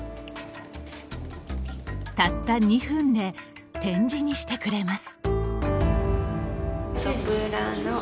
たった２分で点字にしてくれます。